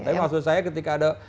tapi maksud saya ketika ada